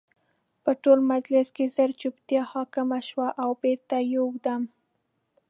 په ټول مجلس کې ژر جوپتیا حاکمه شوه او بېرته یو دم